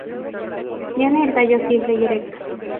Tiene el tallo simple y erecto.